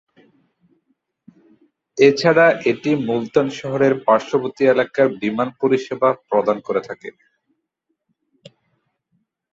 এছাড়া এটি মুলতান শহরের পার্শ্ববর্তী এলাকার বিমান পরিসেবা প্রদান করে থাকে।